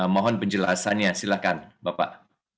mohon penjelasannya silakan bapak